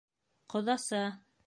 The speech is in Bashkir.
Ҡоҙаса.